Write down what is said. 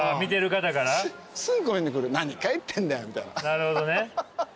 なるほどね。